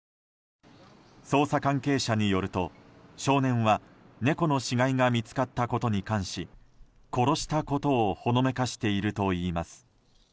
捜査関係者によると少年は猫の死骸が見つかったことに関し殺したことをほのめかしているといいます。